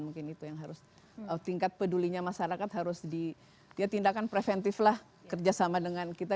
mungkin itu yang harus tingkat pedulinya masyarakat harus di ya tindakan preventif lah kerjasama dengan kita